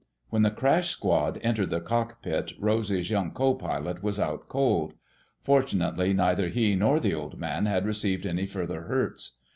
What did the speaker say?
When the crash squad entered the cockpit, Rosy's young co pilot was "out cold." Fortunately neither he nor the Old Man had received any further hurts.